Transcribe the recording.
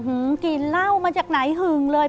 กลิ่นเหล้ามาจากไหนหึงเลย